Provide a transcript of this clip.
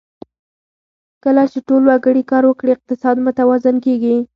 کله چې ټول وګړي کار وکړي، اقتصاد متوازن کېږي.